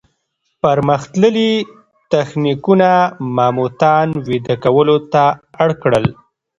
پرمختللي تخنیکونه ماموتان ویده کولو ته اړ کړل.